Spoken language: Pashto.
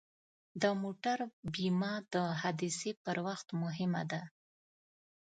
د موټر بیمه د حادثې پر وخت مهمه ده.